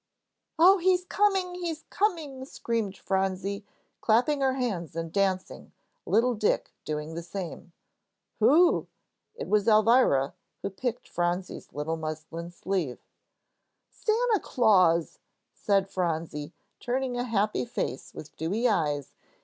"Oh, he's coming! he's coming!" screamed Phronsie, clapping her hands and dancing, little Dick doing the same. "Who?" It was Elvira who picked Phronsie's little muslin sleeve. "Santa Claus," said Phronsie, turning a happy face with dewy eyes.